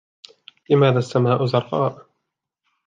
لماذا السماء زرقاء؟